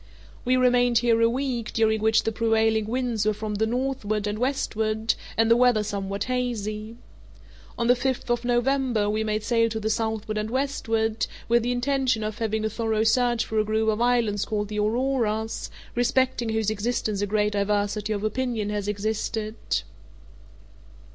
We remained here a week, during which the prevailing winds were from the northward and westward, and the weather somewhat hazy. On the fifth of November we made sail to the southward and westward, with the intention of having a thorough search for a group of islands called the Auroras, respecting whose existence a great diversity of opinion has existed.